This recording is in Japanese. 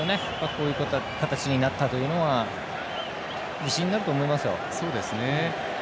こういう形になったというのは自信になると思いますよ。